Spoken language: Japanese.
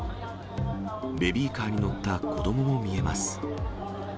ベビーカーに乗った子どもも見えます。